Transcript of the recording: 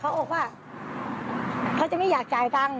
เขาบอกว่าเขาจะไม่อยากจ่ายตังค์